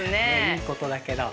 いいことだけど。